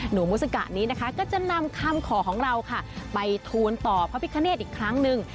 มุสกะนี้นะคะก็จะนำคำขอของเราค่ะไปทูลต่อพระพิคเนตอีกครั้งหนึ่ง